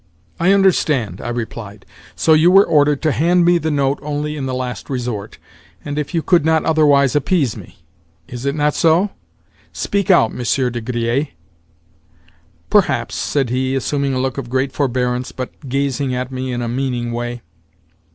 "I understand," I replied. "So you were ordered to hand me the note only in the last resort, and if you could not otherwise appease me? Is it not so? Speak out, Monsieur de Griers." "Perhaps," said he, assuming a look of great forbearance, but gazing at me in a meaning way.